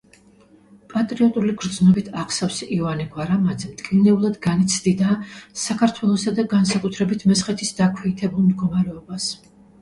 პატრიოტული გრძნობით აღსავსე ივანე გვარამაძე მტკივნეულად განიცდიდა საქართველოსა და, განსაკუთრებით, მესხეთის დაქვეითებულ მდგომარეობას.